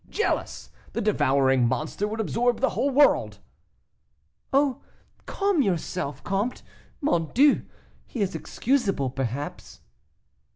Jealous! The devouring monster would absorb the whole world!" "Oh! calm yourself, comte; mon Dieu; he is excusable, perhaps."